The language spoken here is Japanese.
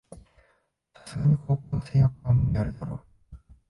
さすがに高校生役は無理あるだろ